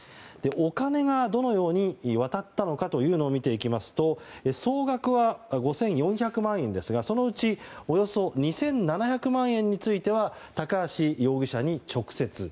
お金がどのようにわたったのかを見ていきますと総額は５４００万円ですがそのうちおよそ２７００万円については高橋容疑者に、直接。